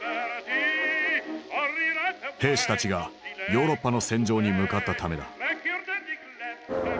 兵士たちがヨーロッパの戦場に向かったためだ。